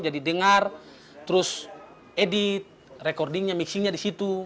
jadi dengar terus edit recordingnya mixingnya di situ